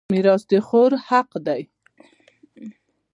میراث د خور حق دی.